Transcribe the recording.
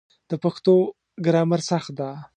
د پښتو ګرامر سخت ده